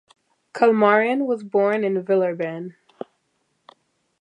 Clamaran was born in Villeurbanne.